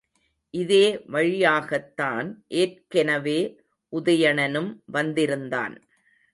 இதே வழியாகத்தான் ஏற்கெனவே உதயணனும் வந்திருந்தான்.